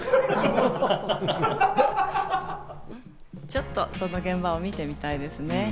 ちょっと、その現場を見てみたいですね。